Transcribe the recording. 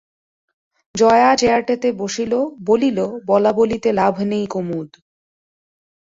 জয়া চেয়ারটাতে বসিল, বলিল, বলাবলিতে লাভ নেই কুমুদ।